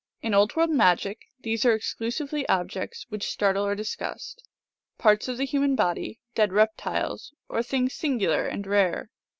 In Old World magic these are exclusively objects which startle or disgust, parts of the human body, dead reptiles, or things singular and rare.